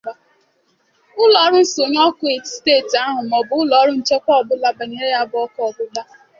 ụlọọrụ nsọnyụ ọkụ steeti ahụ maọbụ ụlọọrụ nchekwa ọbụla banyere ya bụ ọkụ ọgbụgba.